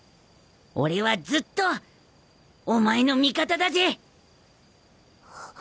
俺はずっとお前の味方だぜ！